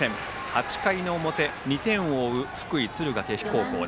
８回表、２点を追う福井・敦賀気比高校。